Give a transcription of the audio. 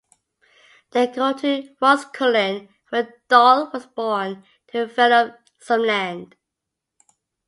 They go to Roscullen, where Doyle was born, to develop some land.